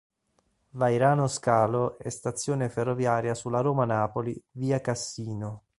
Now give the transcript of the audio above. Vairano Scalo è stazione ferroviaria sulla Roma-Napoli, via Cassino.